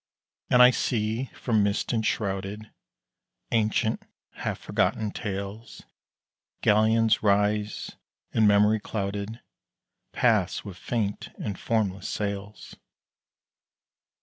And I see from mist enshrouded, Ancient, half forgotten tales Galleons rise, and memory clouded, Pass with faint and formless sails.